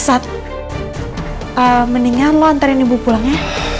asad mendingan lo antarin ibu pulang ya